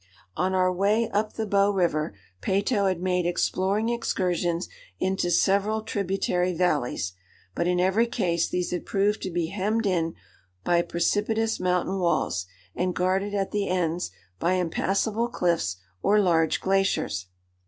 On our way up the Bow River, Peyto had made exploring excursions into several tributary valleys, but in every case these had proved to be hemmed in by precipitous mountain walls, and guarded at the ends by impassable cliffs or large glaciers.